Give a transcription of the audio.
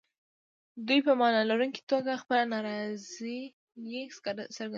دوی په معنا لرونکي توګه خپله نارضايي څرګندوي.